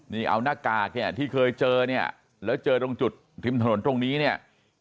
นี่เอาหน้ากากเนี่ยที่เคยเจอเนี่ยแล้วเจอตรงจุดริมถนนตรงนี้เนี่ย